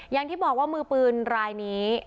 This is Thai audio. อย่างที่บอกว่ามือปืนรายนี้